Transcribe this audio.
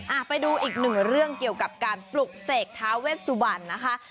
ไปดูอีกหนึ่งเรื่องเกี่ยวกับการปลุกเสกท้าเวชสุวรรณนะคะ